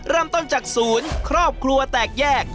เริ่มต้นจากศูนย์ครอบครัวแตกแยก